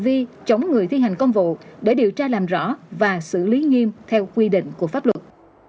vì chống người thi hành công vụ để điều tra làm rõ và xử lý nghiêm theo quy định của pháp luật